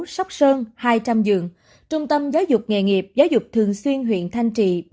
sóc sơn hai trăm linh giường trung tâm giáo dục nghệ nghiệp giáo dục thường xuyên huyện thanh trị